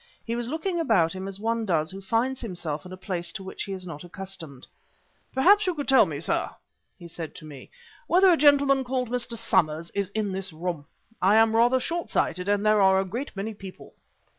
He was looking about him as one does who finds himself in a place to which he is not accustomed. "Perhaps you could tell me, sir," he said to me, "whether a gentleman called Mr. Somers is in this room. I am rather short sighted and there are a great many people."